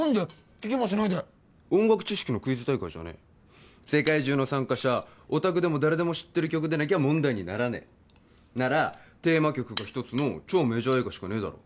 聴きもしないで音楽知識のクイズ大会じゃねえ世界中の参加者オタクでも誰でも知ってる曲でなきゃ問題にならねえならテーマ曲が一つの超メジャー映画しかねえだろ